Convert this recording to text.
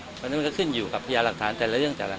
เพราะฉะนั้นมันก็ขึ้นอยู่กับพยานหลักฐานแต่ละเรื่องแต่ละ